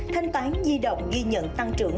thanh toán di động ghi nhận tăng trưởng